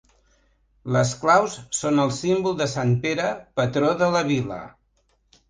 Les claus són el símbol de sant Pere, patró de la vila.